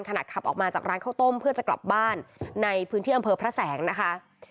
ขณะขับออกมาจากร้านข้าวต้มเพื่อจะกลับบ้านในพื้นที่อำเภอพระแสงนะคะ